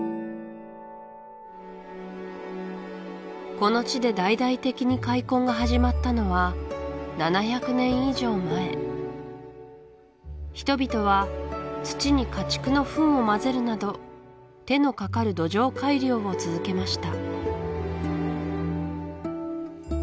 この地で大々的に開墾が始まったのは７００年以上前人々は土に家畜のフンを混ぜるなど手のかかる土壌改良を続けました